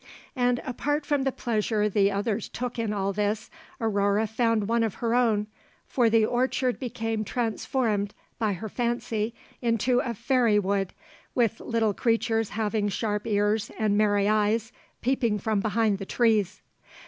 And apart from the pleasure the others took in all this, Aurore found one of her own, for the orchard became transformed by her fancy into a fairy wood, with little creatures having sharp ears and merry eyes peeping from behind the trees.